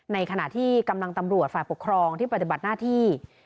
ในขณะที่กำลังตำรวจฝ่ายปกครองที่ปฏิบัติหน้าที่